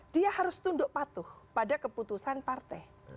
dia harus tunduk patuh pada keputusan partai